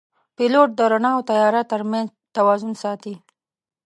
پیلوټ د رڼا او تیاره ترمنځ توازن ساتي.